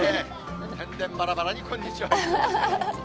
てんでんばらばらにこんにちはが。